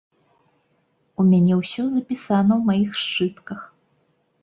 У мяне ўсё запісана ў маіх сшытках.